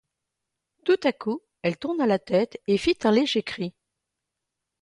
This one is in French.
Tout à coup elle tourna la tête et fit un léger cri.